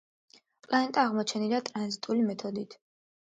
პლანეტა აღმოჩენილია ტრანზიტული მეთოდით.